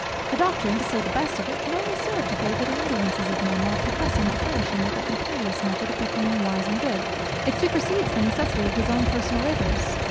The doctrine, to say the best of it, can only serve to favour the indolence of man, while professing to furnish him with a compendious method of becoming wise and good, it supersedes the necessity of his own personal labours.